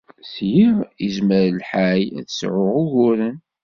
Sliɣ yezmer lḥal ad tesɛuḍ uguren.